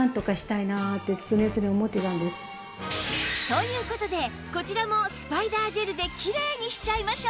という事でこちらもスパイダージェルでキレイにしちゃいましょう！